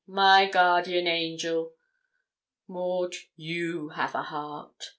my guardian angel! Maud, you have a heart.'